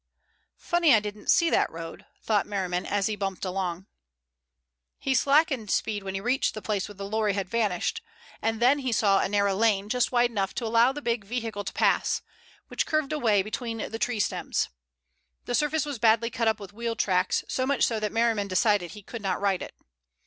"Funny I didn't see that road," thought Merriman as he bumped along. He slackened speed when he reached the place where the lorry had vanished, and then he saw a narrow lane just wide enough to allow the big vehicle to pass, which curved away between the tree stems. The surface was badly cut up with wheel tracks, so much so that Merriman decided he could not ride it.